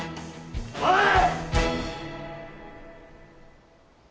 ・おい！